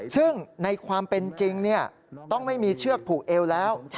ซึ่งในความเป็นจริงต้องไม่มีเชือกผูกเอวแล้ว